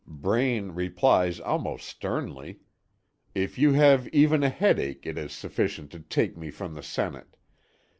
Braine replies almost sternly: "If you have even a headache it is sufficient to 'take me from the Senate.'